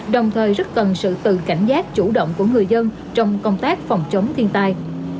đồng thời rất cần sự tự cảnh giác chủ động của người dân trong công tác phòng chống thiên tai